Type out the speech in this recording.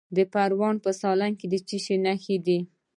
د پروان په سالنګ کې د څه شي نښې دي؟